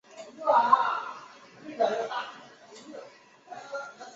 唐文宗爱不释手。